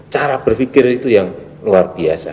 cara berpikir itu yang luar biasa